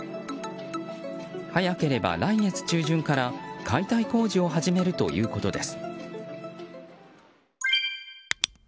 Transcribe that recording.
早ければ、来月中旬から解体工事を始めるということです。